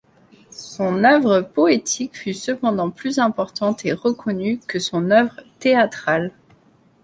Son œuvre poétique fut cependant plus importante et reconnue que son œuvre théâtrale.